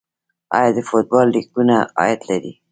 آیا د فوټبال لیګونه عاید لري؟